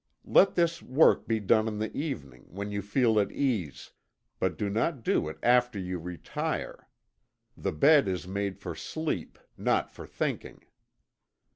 Let this work be done in the evening, when you feel at ease but do not do it after you retire. The bed is made for sleep, not for thinking.